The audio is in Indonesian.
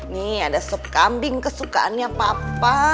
nih ada sop kambing kesukaannya papa